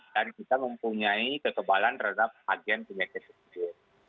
dan kita mempunyai kekebalan terhadap agen penyakit itu